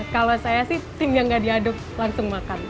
kalau saya sih sim yang gak diaduk langsung makan